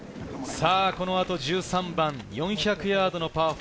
この後１３番、４００ヤードのパー４。